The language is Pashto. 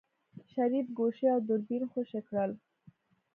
شريف ګوشي او دوربين خوشې کړل.